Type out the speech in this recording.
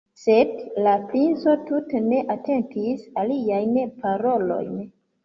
Sed la princo tute ne atentis iliajn parolojn.